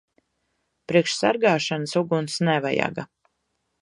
Priekš sargāšanas uguns nevajaga.